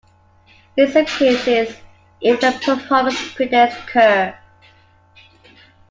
In some cases, even the "performance" predates Kerr.